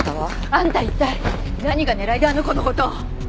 あんた一体何が狙いであの子の事！